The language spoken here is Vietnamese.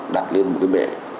đặt lên một cái bể